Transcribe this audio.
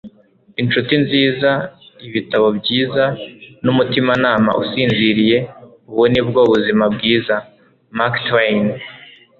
Inshuti nziza, ibitabo byiza, n'umutimanama usinziriye: ubu ni bwo buzima bwiza.” - Mark Twain